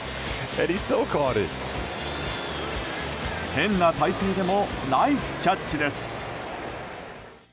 変な体勢でもナイスキャッチです。